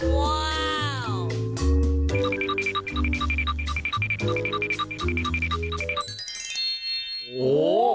โอ้โห